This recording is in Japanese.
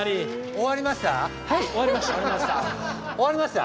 終わりました。